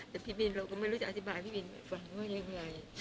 แต่พี่บินเราก็ไม่รู้จะอธิบายพี่บินฟังว่ายังไง